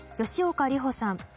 吉岡里帆さん